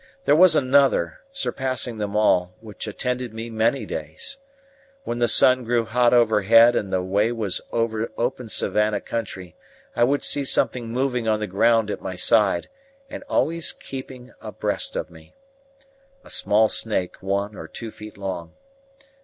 There was another, surpassing them all, which attended me many days. When the sun grew hot overhead and the way was over open savannah country, I would see something moving on the ground at my side and always keeping abreast of me. A small snake, one or two feet long.